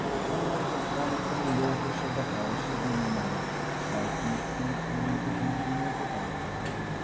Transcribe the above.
All the sons and daughters of the house of Ing mar sighed deeply during the reading of the Bible.